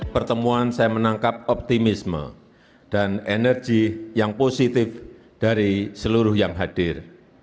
pertemuan saya menangkap optimisme dan energi yang positif dari seluruh yang hadir